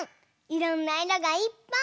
いろんないろがいっぱい！